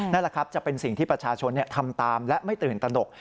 นั่นแหละครับจะเป็นสิ่งที่ประชาชนทำตามและไม่ตื่นตนก